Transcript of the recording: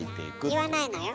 言わないのよ